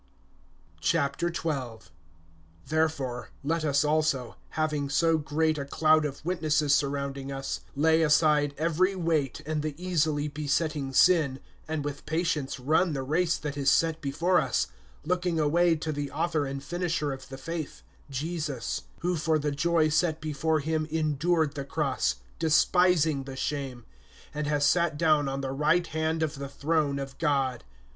XII. THEREFORE, let us also, having so great a cloud of witnesses surrounding, us, lay aside every weight, and the easily besetting sin, and with patience run the race that is set before us, (2)looking away to the author and finisher of the faith, Jesus; who for the joy set before him endured the cross, despising the shame, and has sat down on the right hand of the throne of God.